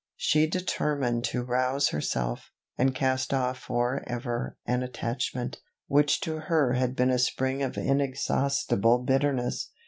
She determined to rouse herself, and cast off for ever an attachment, which to her had been a spring of inexhaustible bitterness.